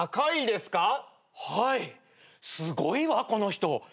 すごいわこの人。